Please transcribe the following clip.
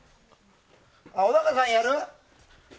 小高さんやる？